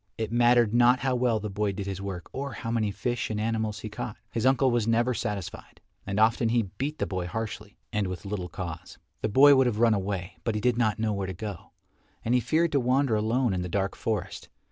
It mattered not how well the boy did his work or how many fish and animals he caught, his uncle was never satisfied, and often he beat the boy harshly and with little cause. The boy would have run away but he did not know where to go, and he feared to wander alone in the dark forest.